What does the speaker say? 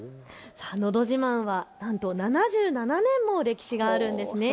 のど自慢はなんと７７年もの歴史があるんです。